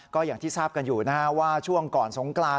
ก็อย่างที่ทราบกันอยู่นะฮะว่าช่วงก่อนสงกราน